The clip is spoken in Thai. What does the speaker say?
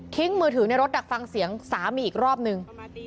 มือถือในรถดักฟังเสียงสามีอีกรอบนึง